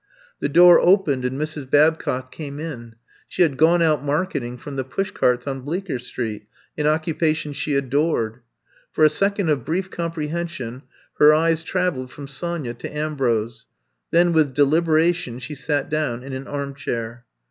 '* The door opened and Mrs. Babcock came in. She had gone out marketing from the pushcarts on Bleecker Street, an occupa tion she adored. For a second of brief comprehension he^ eyes traveled from Sonya to Ambrose, Then with deliberation she sat down in an armchair.